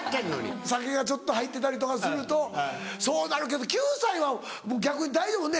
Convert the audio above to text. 酒がちょっと入ってたりとかするとそうなるけど９歳は逆に大丈夫。